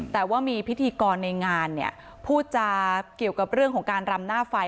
แต่ว่ามีพิธีกรในงานเนี่ยพูดจาเกี่ยวกับเรื่องของการรำหน้าไฟ